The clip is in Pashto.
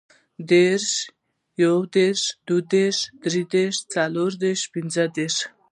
دېرش, یودېرش, دودېرش, دریدېرش, څلوردېرش, پنځهدېرش